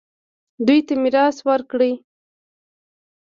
دوی ته میراث ورکړئ